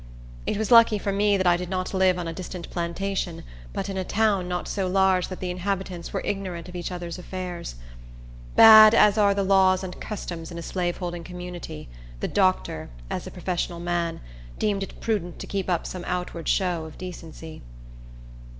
It was lucky for me that I did not live on a distant plantation, but in a town not so large that the inhabitants were ignorant of each other's affairs. Bad as are the laws and customs in a slaveholding community, the doctor, as a professional man, deemed it prudent to keep up some outward show of decency.